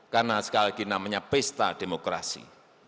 karena sekali lagi namanya pesta demokrasi